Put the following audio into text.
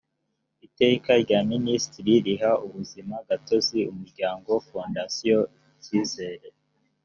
iteka rya minisitiri riha ubuzimagatozi umuryango fondation icyizere